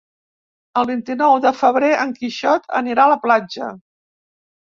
El vint-i-nou de febrer en Quixot anirà a la platja.